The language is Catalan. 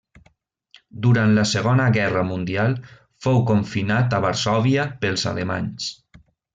Durant la Segona Guerra Mundial, fou confinat a Varsòvia pels alemanys.